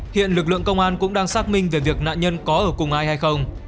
hiện lực lượng công an cũng đang xác minh về việc nạn nhân có ở cùng ai hay không